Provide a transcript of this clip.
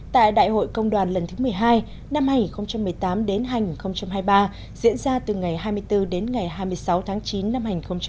tại đại hội công đoàn lần thứ một mươi hai năm hai nghìn một mươi tám đến hành hai mươi ba diễn ra từ ngày hai mươi bốn đến ngày hai mươi sáu tháng chín năm hai nghìn một mươi chín